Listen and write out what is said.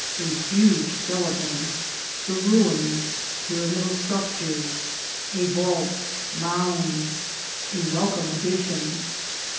— A huge Skeleton. — The Ruins. — Pyramidal Structures, — A Vault. — Mounds. — A welcome Addition.